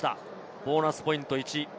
ボーナスポイント１。